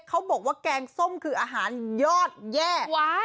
เขาบอกว่าแกงส้มคืออาหารยอดแย่